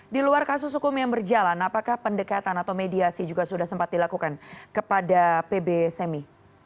di luar kasus hukum yang berjalan apakah pendekatan atau mediasi juga sudah sempat dilakukan kepada pb semi